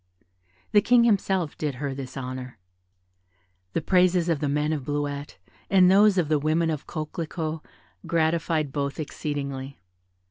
The King himself did her this honour. The praises of the men of Bleuette, and those of the women of Coquelicot, gratified both exceedingly.